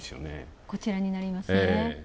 こちらになりますね。